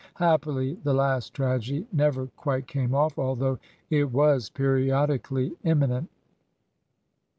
Happily, the last tragedy never quite came off, although it was periodically imminent.